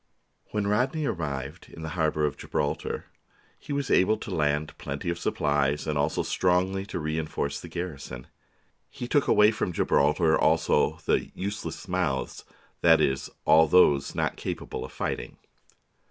When Rodney arrived in the harbour of Gibraltar he was able to land plenty of supplies and also strongly to reinforce the garrison. He took away from Gibraltar also the " useless mouths "; that is, all those not capable of fighting.